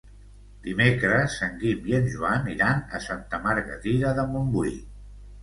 Dimecres en Guim i en Joan iran a Santa Margarida de Montbui.